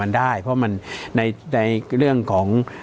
มันได้แล้วมันในเรื่องของ